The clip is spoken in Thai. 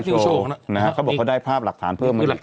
ไทยรัฐนิวโชว์นะครับเขาบอกว่าเขาได้ภาพหลักฐานเพิ่มมาบางทุกค่ะ